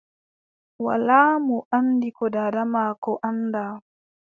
Walaa mo anndi ko daada maako anndaa.